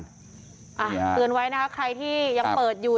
เตือนไว้นะคะใครที่ยังเปิดอยู่